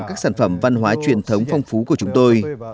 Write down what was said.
các sản phẩm văn hóa truyền thống phong phú của chúng tôi